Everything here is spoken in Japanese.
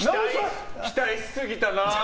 期待しすぎたか。